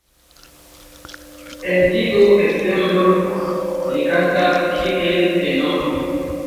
En tiu ensemblo li kantas kiel tenoro.